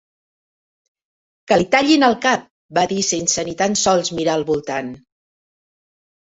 Que li tallin el cap! va dir sense ni tan sols mirar al voltant.